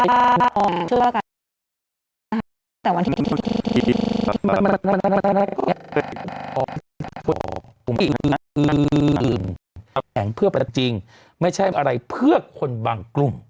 อ่ะแต่ว่าอื้อแห่งเพื่อจริงไม่ใช่อะไรเพื่อคนบางกลุ่ม